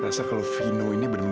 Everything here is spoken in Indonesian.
pak tolong deh